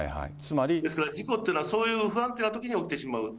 ですから事故っていうのはそういう不安定なときに起きてしまう。